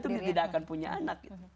takdir dia itu tidak akan punya anak